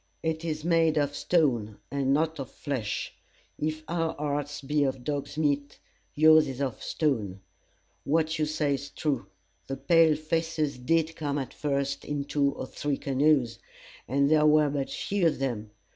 It is made of stone, and not of flesh. If our hearts be of dog's meat, yours is of stone. What you say is true. The pale faces did come at first in two or three canoes, and there were but few of them.